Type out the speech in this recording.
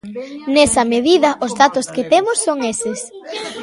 Nesa medida os datos que temos son eses.